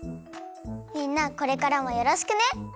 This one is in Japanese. みんなこれからもよろしくね！